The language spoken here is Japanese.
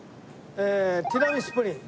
ティラミスプリン。